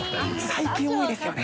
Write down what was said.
最近多いですよね。